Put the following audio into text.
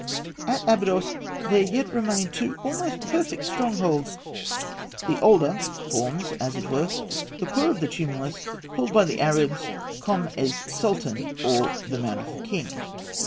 At Abydos there yet remain two almost perfect strongholds. The older forms, as it were, the core of that tumulus called by the Arabs "Kom es Sultan," or "the Mound of the King."